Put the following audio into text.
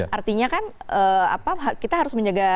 artinya kan kita harus menjaga